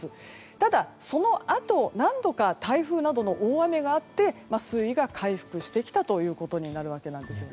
ただ、そのあと何度か台風などの大雨があって水位が回復してきたということになるわけなんですね。